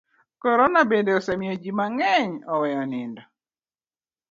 Korona bende osemiyo ji mang'eny oweyo nindo.